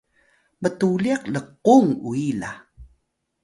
mtuliq lqum uyi la